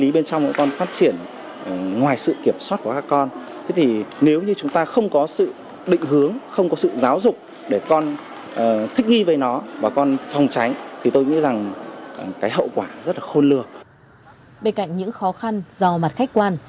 bên cạnh những khó khăn do mặt khách quan